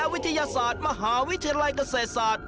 วิทยาศาสตร์มหาวิทยาลัยเกษตรศาสตร์